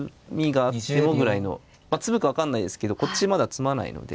詰むか分かんないですけどこっちまだ詰まないので。